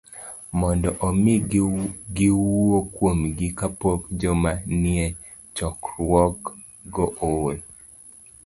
mondo omi giwuo kuomgi kapok joma nie chokruok go ool